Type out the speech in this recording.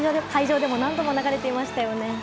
会場でも何度も流れてましたよね。